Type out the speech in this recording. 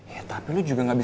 ya tapi lo juga gak bisa